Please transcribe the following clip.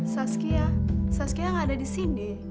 saskia saskia gak ada disini